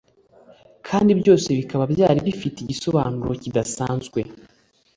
kandi byose bikaba byari bifite igisobanuro kidasanzwe